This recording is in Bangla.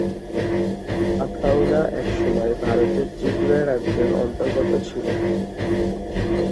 আখাউড়া এক সময় ভারতের ত্রিপুরা রাজ্যের অন্তর্গত ছিল।